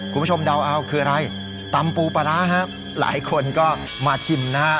คุณผู้ชมเดาอ้าวคืออะไรตำปูปลาร้าฮะหลายคนก็มาชิมนะฮะ